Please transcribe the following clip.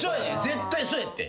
絶対そうやって。